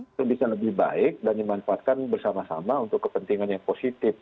itu bisa lebih baik dan dimanfaatkan bersama sama untuk kepentingan yang positif